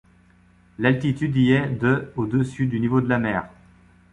L'altitude y est de au-dessus du niveau de la mer.